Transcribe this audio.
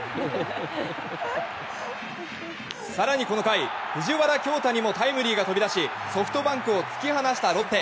更にこの回、藤原恭大にもタイムリーが飛び出しソフトバンクを突き放したロッテ。